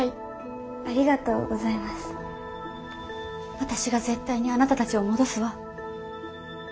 私が絶対にあなたたちを戻すわ。